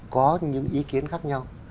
có những ý kiến khác nhau